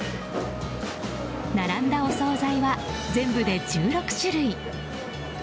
並んだお総菜は全部で１６種類。